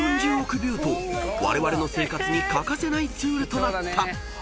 ［われわれの生活に欠かせないツールとなった］